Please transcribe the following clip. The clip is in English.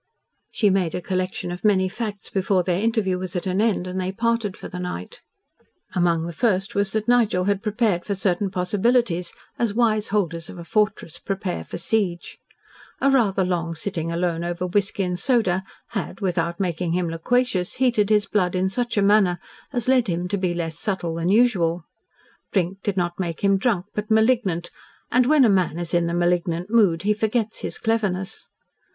She made a collection of many facts before their interview was at an end, and they parted for the night. Among the first was that Nigel had prepared for certain possibilities as wise holders of a fortress prepare for siege. A rather long sitting alone over whisky and soda had, without making him loquacious, heated his blood in such a manner as led him to be less subtle than usual. Drink did not make him drunk, but malignant, and when a man is in the malignant mood, he forgets his cleverness.